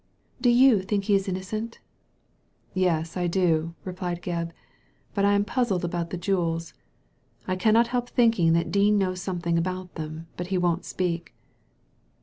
Do you think he is innocent ?" "Yes, I do,*' replied Gebb; "but I am puzzled about the jewels. I cannot help thinking that Dean knows something about them; but he won't speak."